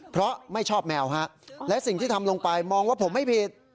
เพราะไม่ชอบแมวฮะและสิ่งที่ทำลงไปมองว่าผมไม่ผิด